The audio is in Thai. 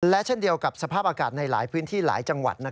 และเช่นเดียวกับสภาพอากาศในหลายพื้นที่หลายจังหวัด